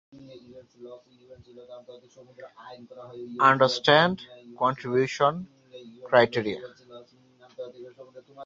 একই সাথে এটির অন্য একটি সংস্করণ ডেস্কটপ ব্যবহারকারীদের জন্য ব্যবহারযোগ্য করা হয়েছে।